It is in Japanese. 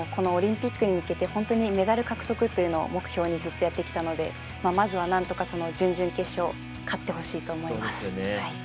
このオリンピックに向けて本当にメダル獲得というのを目標にずっとやってきたのでまずは何とかこの準々決勝勝ってほしいと思います。